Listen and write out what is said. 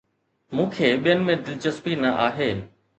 مون کي ٻين ۾ دلچسپي نه آهي